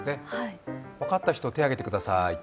分かった人手挙げてください。